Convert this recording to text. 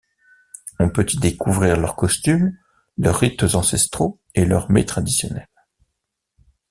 On peut y découvrir leurs coutumes, leurs rites ancestraux et leurs mets traditionnels.